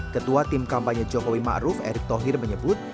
ketua tim kampanye jokowi ma'ruf erick tohir menyebut